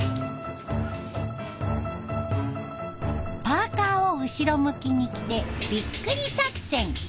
パーカを後ろ向きに着てビックリ作戦。